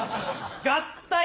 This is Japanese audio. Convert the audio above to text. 合体！